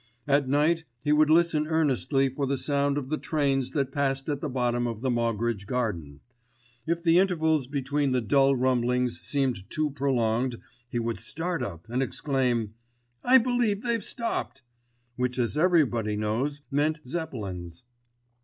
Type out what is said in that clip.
At night he would listen earnestly for the sound of the trains that passed at the bottom of the Moggridge garden. If the intervals between the dull rumblings seemed too prolonged, he would start up and exclaim, "I believe they've stopped," which as everybody knows meant Zeppelins.